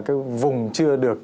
cái vùng chưa được